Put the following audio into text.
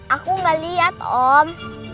aku gak liat om